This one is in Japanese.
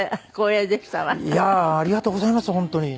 いやーありがとうございます本当に。